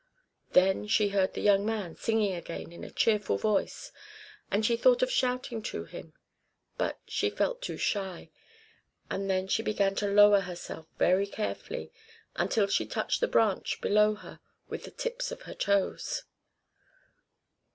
Then she heard the young man singing again in a cheerful voice, and she thought of shouting to him, but she felt too shy; and then she began to lower herself very carefully until she touched the branch below her with the tips of her toes.